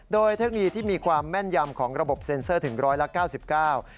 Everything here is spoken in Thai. โดยเทคนีย์ที่มีความแม่นยำของระบบเซ็นเซอร์ถึง๑๙๙บาท